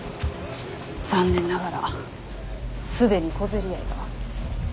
残念ながら既に小競り合いが。